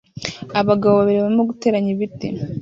Abagabo babiri barimo guteranya ibiti